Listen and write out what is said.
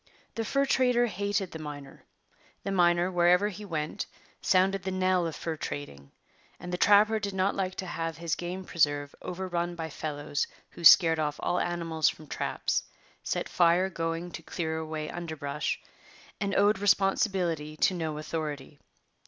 The fur trader hated the miner. The miner, wherever he went, sounded the knell of fur trading; and the trapper did not like to have his game preserve overrun by fellows who scared off all animals from traps, set fire going to clear away underbrush, and owned responsibility to no authority.